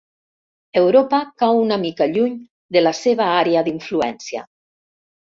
Europa cau una mica lluny de la seva àrea d'influència.